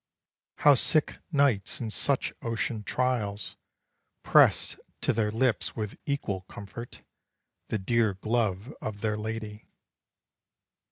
How sick knights in such ocean trials, Pressed to their lips with equal comfort The dear glove of their lady.